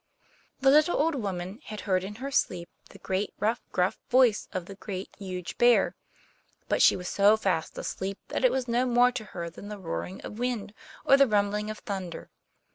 The little old woman had heard in her sleep the great, rough, gruff voice of the Great, Huge Bear; but she was so fast asleep that it was no more to her than the roaring of wind or the rumbling of thunder.